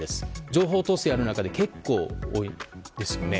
情報統制がある中で結構、多いですよね。